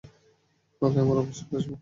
হলে আমরা অবশ্যই আসব।